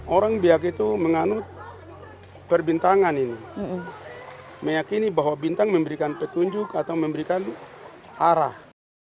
orang biak itu menganut perbintangan ini meyakini bahwa bintang memberikan petunjuk atau memberikan arah